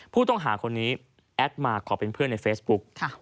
ผู้ต้องหาคนนี้แอดมาขอเป็นเพื่อนในเฟซบุ๊ก